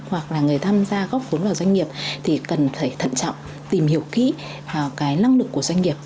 hoặc là người tham gia góp vốn vào doanh nghiệp